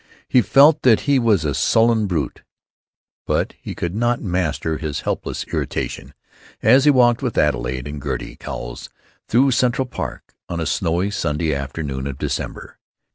He felt that he was a sullen brute, but he could not master his helpless irritation as he walked with Adelaide and Gertie Cowles through Central Park, on a snowy Sunday afternoon of December.